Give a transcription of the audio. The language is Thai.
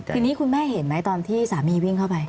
ทีนี้คุณแม่เห็นไหมตอนที่สามีวิ่งเข้าไป